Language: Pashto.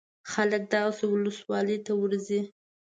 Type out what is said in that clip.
خلک دغې ولسوالۍ ته ورځي.